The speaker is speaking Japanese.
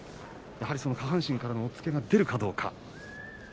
やはり下半身からの押っつけが出るかどうか。